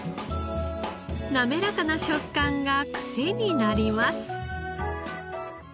なめらかな食感がクセになります。